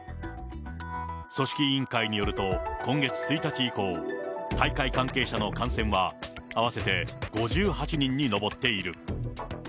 組織委員会によると、今月１日以降、大会関係者の感染は、合わせて５８人に上っている。